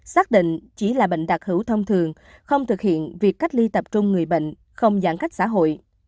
xác định chỉ là bệnh đặc hữu thông thường không thực hiện việc cách ly tập trung người bệnh không giãn cách xã hội